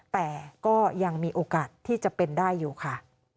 แต่ก็ยังมีโอกาสที่จะเป็นได้อยู่ค่ะ